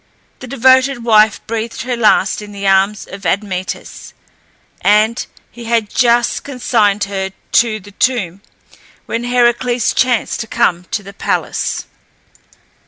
The devoted wife breathed her last in the arms of Admetus, and he had just consigned her to the tomb, when Heracles chanced to come to the palace.